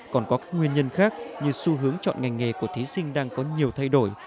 còn có các nguyên nhân khác như xu hướng chọn ngành nghề của thí sinh đang có nhiều thay đổi